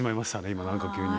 今何か急に。